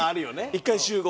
「１回集合！」